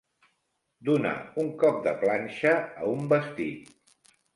Donar un cop de planxa a un vestit.